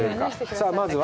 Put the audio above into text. さあ、まずは？